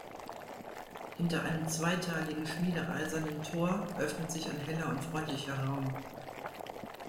Hinter einem zweiteiligen, schmiedeeisernen Tor öffnet sich ein heller und freundlicher Raum.